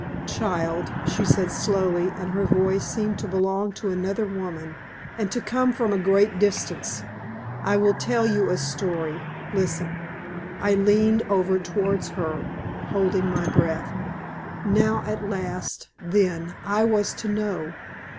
"Child," she said, slowly, and her voice seemed to belong to another woman, and to come from a great distance, "I will tell you a story. Listen!" I leaned over towards her holding my breath. Now at last, then, I was to know.